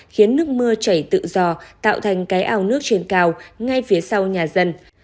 khiến nước mưa chảy tự do tạo thành cái ao nước trên cao ngay phía sau nhà dân